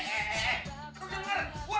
panggil saja si jawa